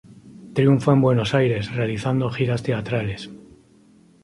Triunfa en Buenos Aires realizando giras teatrales.